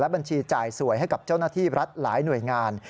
บัญชีจ่ายสวยให้กับเจ้าหน้าที่รัฐหลายหน่วยงาน